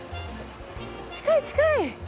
近い近い。